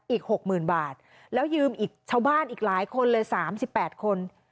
๖๐๐๐บาทแล้วยืมอีกชาวบ้านอีกหลายคนเลย๓๘คน